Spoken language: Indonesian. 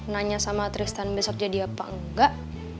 nanya sama tristan besok jadi apa enggak